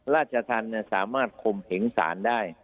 ราชทานสามารถคมเห็นสารได้